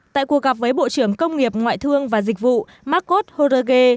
tại cuộc gặp với bộ trưởng công nghiệp ngoại thương và dịch vụ marcos jorge